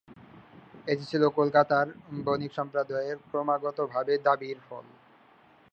এটি ছিল কলকাতার বণিক সম্প্রদায়ের ক্রমাগতভাবে দাবির ফল।